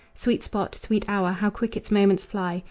Sweet spot! sweet hour! how quick its moments fly!